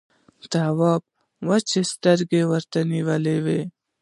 تواب وچې سترګې ورته نيولې وې…